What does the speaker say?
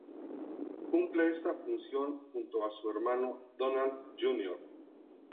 Cumple esta función junto a su hermano Donald Jr.